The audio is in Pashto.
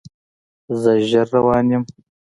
زه ژر روان یم